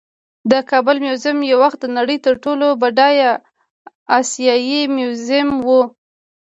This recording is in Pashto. د کابل میوزیم یو وخت د نړۍ تر ټولو بډایه آسیايي میوزیم و